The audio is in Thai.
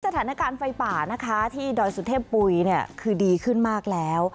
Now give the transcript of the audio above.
สถานการณ์ไฟป่านะคะที่ดอยสุเทพปุ๋ยเนี่ยคือดีขึ้นมากแล้ว